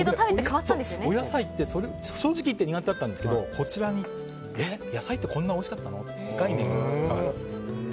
お野菜って正直苦手だったんですけどこちらに行って野菜ってこんなにおいしかったのかと概念が。